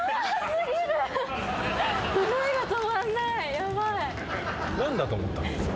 ヤバい。